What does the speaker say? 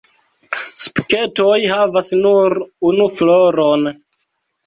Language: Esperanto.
Spiketoj havas nur unu floron.